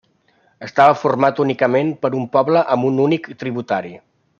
Estava format únicament per un poble amb un únic tributari.